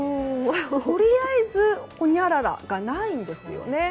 とりあえず、ほにゃららがないんですよね。